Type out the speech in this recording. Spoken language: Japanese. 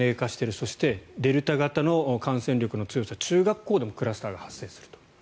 そしてデルタ型の感染力の強さ中学校でもクラスターが発生すると。